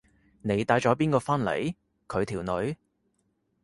你帶咗邊個返嚟？佢條女？